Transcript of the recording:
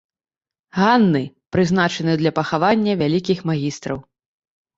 Ганны, прызначаную для пахавання вялікіх магістраў.